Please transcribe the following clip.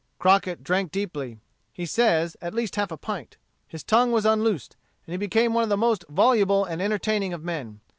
Crockett drank deeply; he says, at least half a pint. His tongue was unloosed, and he became one of the most voluble and entertaining of men.